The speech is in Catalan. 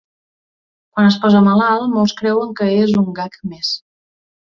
Quan es posa malalt, molts creuen que és un gag més.